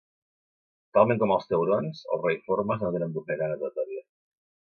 Talment com els taurons, els raïformes no tenen bufeta natatòria.